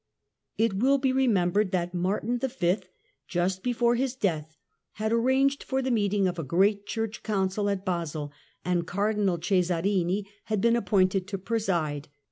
It will be remembered that Martin V., just before his Couucii of death, had arranged for the meeting of a great Church i43i iii9 Council at Basle, and Cardinal Cesarini had been ap pointed to preside.